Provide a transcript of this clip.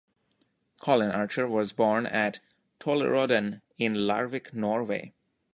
Colin Archer was born at Tollerodden in Larvik, Norway.